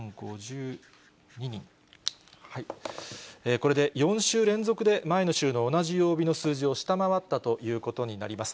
これで４週連続で、前の週の同じ曜日の数字を下回ったということになります。